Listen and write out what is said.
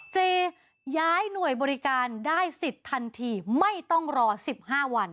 เจย้ายหน่วยบริการได้สิทธิ์ทันทีไม่ต้องรอ๑๕วัน